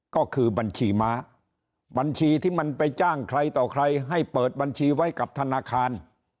ก็คือบัญชีม้าบัญชีที่มันไปจ้างใครต่อใครให้เปิดบัญชีไว้กับธนาคาร